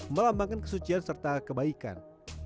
melambangkan kesucian serta kebaikan